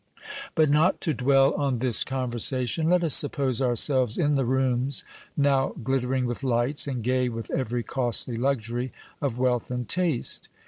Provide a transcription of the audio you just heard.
But not to dwell on this conversation, let us suppose ourselves in the rooms now glittering with lights, and gay with every costly luxury of wealth and taste.